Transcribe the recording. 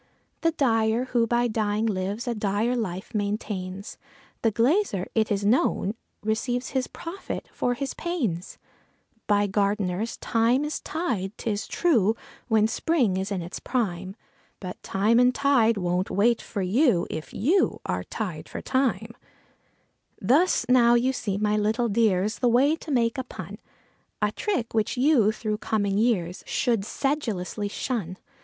The dyer, who by dying lives, a dire life maintains; The glazier, it is known, receives his profits for his panes. By gardeners thyme is tied, 'tis true, when spring is in its prime; But time and tide won't wait for you if you are tied for time. Thus now you see, my little dears, the way to make a pun; A trick which you, through coming years, should sedulously shun.